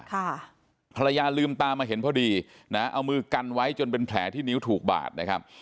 ภรรยาลืมตามาเห็นพอดีนะเอามือกันไว้จนเป็นแผลที่นิ้วถูกบาดนะครับ